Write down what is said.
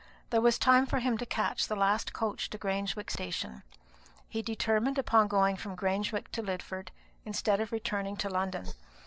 There was time for him to catch the last coach to Grangewick station. He determined upon going from Grangewick to Lidford, instead of returning to London.